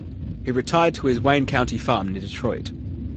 He retired to his Wayne County farm near Detroit.